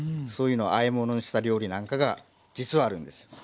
そういうのをあえ物にした料理なんかが実はあるんです。